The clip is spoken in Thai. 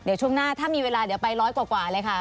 เดี๋ยวช่วงหน้าถ้ามีเวลาเดี๋ยวไปร้อยกว่าเลยค่ะ